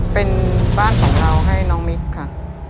เป็นบ้านของเราให้น้องมิตรค่ะ